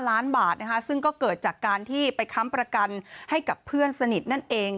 ซึ่งก็เกิดเพราะการบัสการไฟน้ำจากการที่ไปค้ำประกันให้กับเพื่อนสนิทนั่นเอง